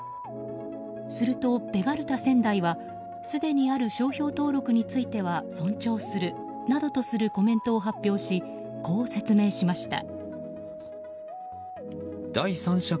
すると、ベガルタ仙台はすでにある商標登録については尊重するなどとするコメントを発表しこう説明しました。